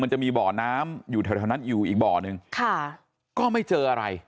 มันจะมีบ่อน้ำอยู่แถวนั้นอยู่อีกบ่อนึงค่ะก็ไม่เจออะไร